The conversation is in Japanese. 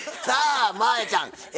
さあ真彩ちゃん